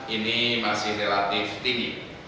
ini masih relatif tinggi